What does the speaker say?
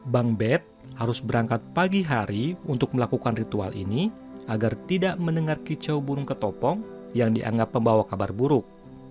bang bed harus berangkat pagi hari untuk melakukan ritual ini agar tidak mendengar kicau burung ketopong yang dianggap membawa kabar buruk